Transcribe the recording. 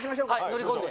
乗り込んで。